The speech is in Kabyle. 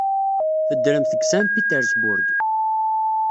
Teddremt deg Saint Petersburg.